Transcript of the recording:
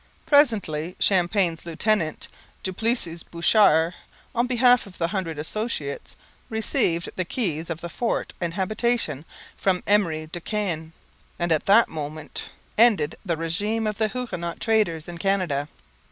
Presently Champlain's lieutenant, Duplessis Bochart, on behalf of the Hundred Associates, received the keys of the fort and habitation from Emery de Caen; and at that moment ended the regime of the Huguenot traders in Canada.